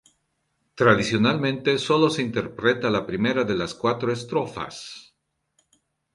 Tradicionalmente solo se interpreta la primera de las cuatro estrofas.